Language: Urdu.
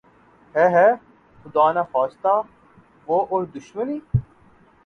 ھے ھے! خدا نخواستہ وہ اور دشمنی